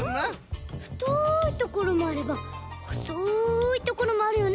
ふといところもあればほそいところもあるよね！